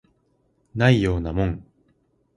ないようなもん